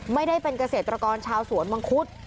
ไม่ได้เป็นเกษตรกรชาวสวนมังคุด